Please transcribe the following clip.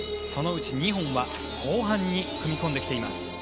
そのうちの２本は後半に組み込んでいます。